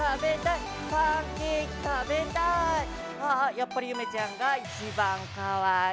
やっぱり夢ちゃんが一番かわいい。